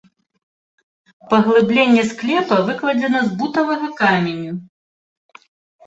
Паглыбленне склепа выкладзена з бутавага каменю.